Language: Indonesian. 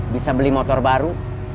bisa beli motor baru